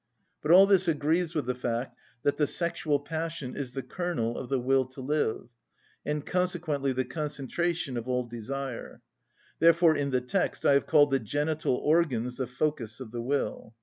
But all this agrees with the fact that the sexual passion is the kernel of the will to live, and consequently the concentration of all desire; therefore in the text I have called the genital organs the focus of the will.